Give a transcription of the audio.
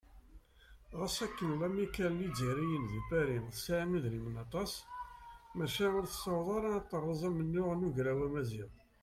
Ma ɣas akken lamikkal n yizzayriyen di Pari tesɛa idrimen s waṭas, maca ur tessaweḍ ara ad teṛṛez amennuɣ n Ugraw Amaziɣ.